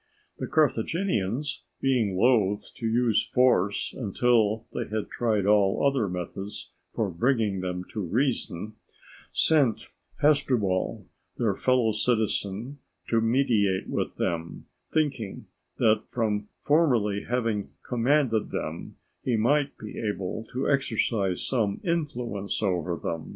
The Carthaginians, being loath to use force until they had tried all other methods for bringing them to reason, sent Hasdrubal, their fellow citizen, to mediate with them, thinking that from formerly having commanded them he might be able to exercise some influence over them.